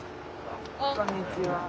こんにちは。